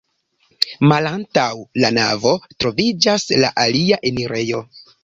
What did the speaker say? Malantaŭ la navo troviĝas la alia enirejo.